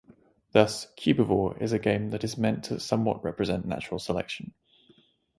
Thus, "Cubivore" is a game that is meant to somewhat represent natural selection.